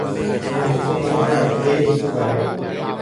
Hasẽjoaite hikuái.